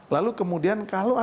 lalu kemudian kalau ada pihak lain